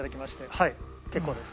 はい結構です。